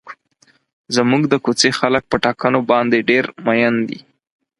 زموږ د کوڅې خلک په ټاکنو باندې ډېر مین دي.